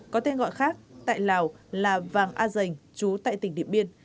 có tên gọi khác tại lào là vàng a dành chú tại tỉnh điện biên